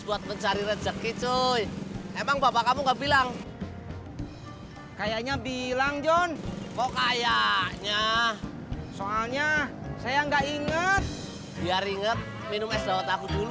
bagi itu awal yang bagus bagi itu awal yang bagus bagi itu awal yang bagus bagi itu awal yang bagus